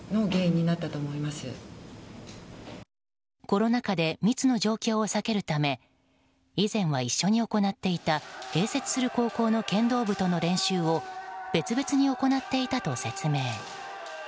コロナ禍で密の状況を避けるため以前は一緒に行っていた併設する高校の剣道部との練習を別々に行っていたと説明。